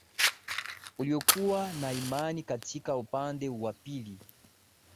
uliokuwa na imani katika upande wa pili